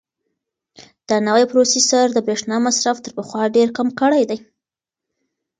دا نوی پروسیسر د برېښنا مصرف تر پخوا ډېر کم کړی دی.